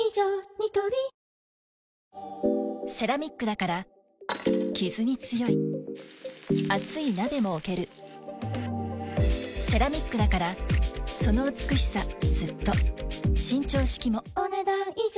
ニトリセラミックだからキズに強い熱い鍋も置けるセラミックだからその美しさずっと伸長式もお、ねだん以上。